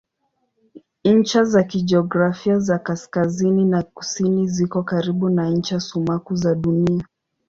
Ncha za kijiografia za kaskazini na kusini ziko karibu na ncha sumaku za Dunia.